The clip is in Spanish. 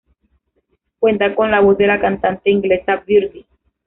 Cuenta con la voz de la cantante inglesa Birdy.